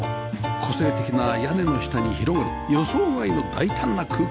個性的な屋根の下に広がる予想外の大胆な空間